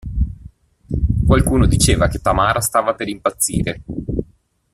Qualcuno diceva che Tamara stava per impazzire.